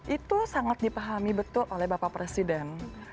itu sangat dipahami betul oleh bapak presiden